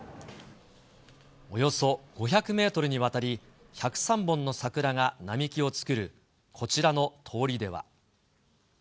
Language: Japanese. およそ５００メートルにわたり１０３本の桜が並木を作るこちらの通りでは。